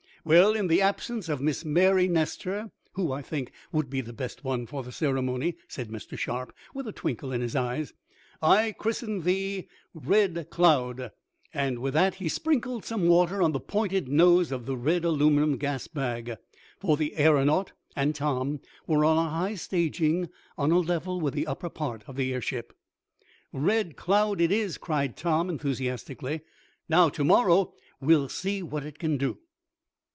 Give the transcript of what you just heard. "Well, in the absence of Miss Mary Nestor, who, I think, would be the best one for the ceremony," said Mr. Sharp, with a twinkle in his eyes, "I christen thee Red Cloud," and with that he sprinkled some water on the pointed nose of the red aluminum gas bag, for the aeronaut and Tom were on a high staging, on a level with the upper part of the airship. "Red Cloud it is!" cried Tom, enthusiastically. "Now, to morrow we'll see what it can do."